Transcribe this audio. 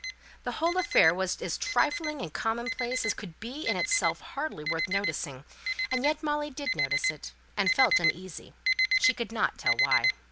The whole affair was as trifling and commonplace as could be in itself; hardly worth noticing; and yet Molly did notice it, and felt uneasy; she could not tell why.